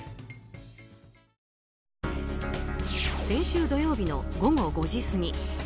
先週土曜日の午後５時過ぎ。